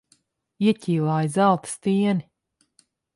Ieķīlāja zelta stieni.